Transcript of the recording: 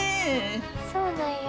そうなんや。